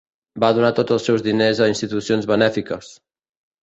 Va donar tots els seus diners a institucions benèfiques.